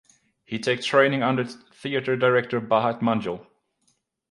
He take training under Theater Director Bharat Manjul.